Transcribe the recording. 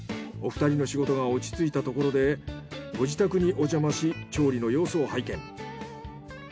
お二人の仕事が落ち着いたところでご自宅におじゃまし調理の様子を拝見。